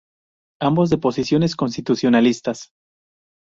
Ambos de posiciones constitucionalistas.